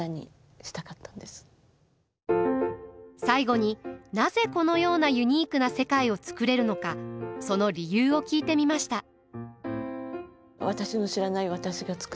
最後になぜこのようなユニークな世界を作れるのかその理由を聞いてみました。